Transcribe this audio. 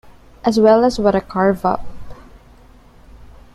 As well as What a Carve Up!